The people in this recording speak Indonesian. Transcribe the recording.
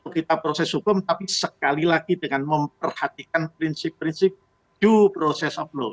kita proses hukum tapi sekali lagi dengan memperhatikan prinsip prinsip du proses upload